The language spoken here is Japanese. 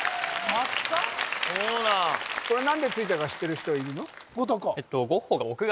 これ何でついたか知ってる人いるの？